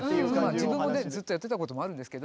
自分もずっとやってたこともあるんですけど。